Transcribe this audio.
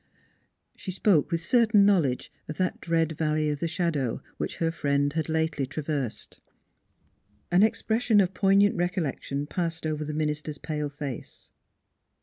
She spoke with certain knowledge of that dread Valley of the Shadow, which her friend had lately traversed. An expression of poignant recollection passed over the minister's pale face.